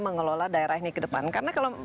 mengelola daerah ini ke depan karena kalau